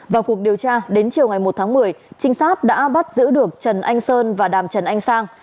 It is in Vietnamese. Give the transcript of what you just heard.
vào cuộc điều tra đến chiều ngày một tháng một mươi trinh sát đã bắt giữ được trần anh sơn và đàm trần anh sang